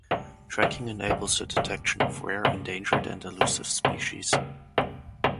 Tracking enables the detection of rare, endangered, and elusive species.